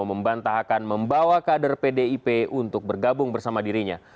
membantahkan membawa kader pdip untuk bergabung bersama dirinya